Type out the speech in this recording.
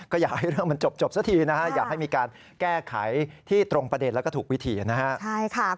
ก็อยากให้เรื่องมันจบซะทีนะฮะอยากให้มีการแก้ไขที่ตรงประเด็นแล้วก็ถูกวิธีนะครับ